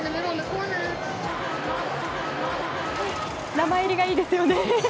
名前入りがいいですよね。